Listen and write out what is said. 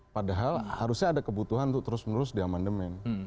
padahal harusnya ada kebutuhan untuk terus menerus di amandemen